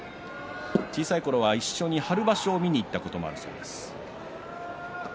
小さいころは一緒に春場所を見に行ったこともあると話しています。